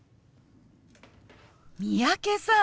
三宅さん